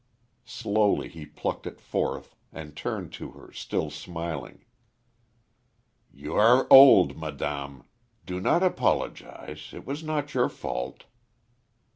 Slowly he plucked it forth, and turned to her, still smiling. "You are old, madame. Do not apologize; it was not your fault."